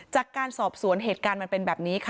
จากการสอบสวนเหตุการณ์มันเป็นแบบนี้ค่ะ